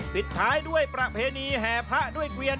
ปิดท้ายด้วยประเพณีแห่พระด้วยเกวียน